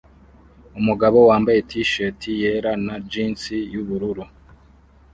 Umugabo wambaye t-shati yera na jinsi yubururu